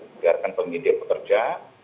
biarkan penyidik bekerja